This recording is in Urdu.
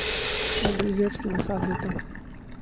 میں بل گیٹس کی مثال دیتا ہوں۔